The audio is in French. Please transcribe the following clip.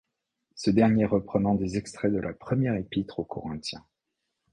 Ce dernier reprenant des extraits de la première épître aux Corinthiens.